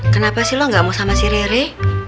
kenapa sih lo gak mau sama si rere